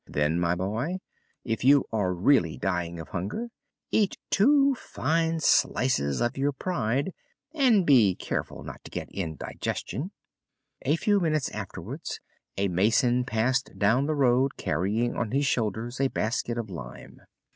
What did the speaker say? "Then, my boy, if you are really dying of hunger, eat two fine slices of your pride, and be careful not to get indigestion." A few minutes afterwards a mason passed down the road carrying on his shoulders a basket of lime.